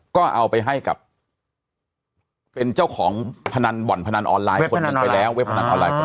ก็เอาไปให้กับเป็นเจ้าของพนันบ่อนพนันออนไลน์ไปแล้วอ่า